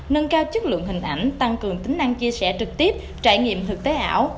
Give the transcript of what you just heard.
nâng cao chất lượng hình ảnh tăng cường tính năng chia sẻ trực tiếp trải nghiệm thực tế ảo